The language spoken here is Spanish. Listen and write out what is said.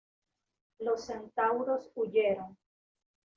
Los centauros huyeron.